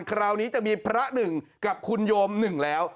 คราวนี้จะมีพระหนึ่งกับคุณโยมหนึ่งแล้ว